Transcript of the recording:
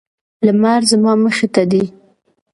لمر زما مخې ته دی